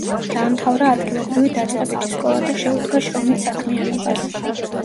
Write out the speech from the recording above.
დაამთავრა ადგილობრივი დაწყებითი სკოლა და შეუდგა შრომით საქმიანობას.